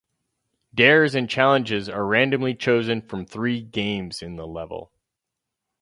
Dares and challenges are randomly chosen from three games in the level.